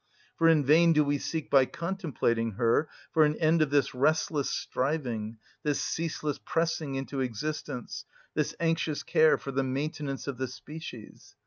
For in vain do we seek by contemplating her for an end of this restless striving, this ceaseless pressing into existence, this anxious care for the maintenance of the species.